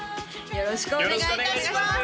よろしくお願いします